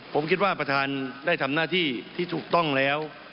ผมคิดว่าประธานได้ทำหน้าที่ที่ถูกต้องแล้ว